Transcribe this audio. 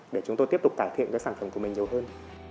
để chúng tôi tiếp tục cải thiện cái sản phẩm của mình nhiều hơn